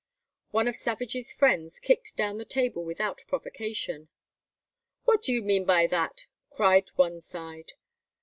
One of Savage's friends kicked down the table without provocation. "What do you mean by that?" cried one side.